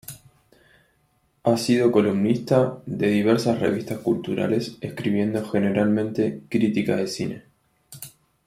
Ha sido columnista de diversas revistas culturales escribiendo generalmente crítica de cine.